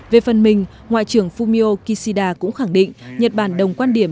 về phần mình ngoại trưởng fumio kishida cũng khẳng định nhật bản đồng quan điểm